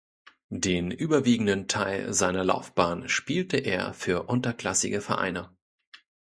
Den überwiegenden Teil seiner Laufbahn spielte er für unterklassige Vereine.